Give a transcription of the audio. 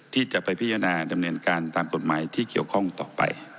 ที่จะไปพิจารณาดำเนินการตามกฎหมายที่เกี่ยวข้องต่อไป